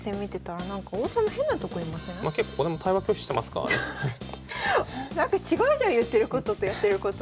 結構これも違うじゃん言ってることとやってること。